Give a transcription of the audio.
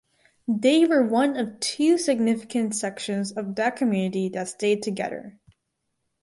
They were one of two significant sections of that community that stayed together.